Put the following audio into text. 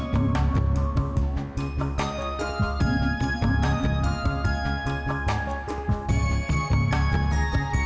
butuh refleksi mana